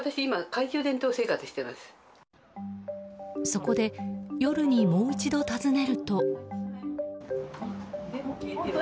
そこで夜にもう一度訪ねると。